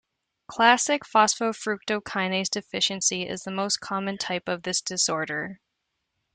Classic phosphofructokinase deficiency is the most common type of this disorder.